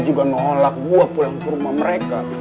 juga nolak gue pulang ke rumah mereka